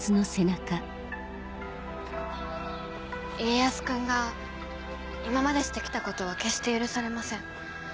家康君が今までして来たことは決して許されません。